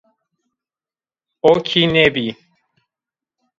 O kî nêbî